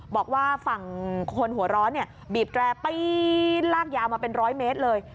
บอกว่าฝั่งคนหัวร้อนเนี่ยบีบแตรปีนลากยาวมาเป็นร้อยเมตรเลย